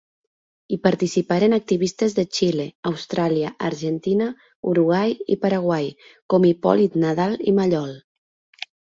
Hi participaren activistes de Xile, Austràlia, Argentina, Uruguai i Paraguai, com Hipòlit Nadal i Mallol.